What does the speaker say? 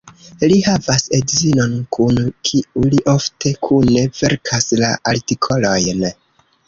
Li havas edzinon kun kiu li ofte kune verkas la artikolojn.